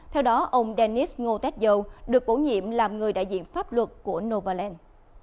theo đó ông denis ngô tét dâu được bổ nhiệm làm người đại diện pháp luật của novaland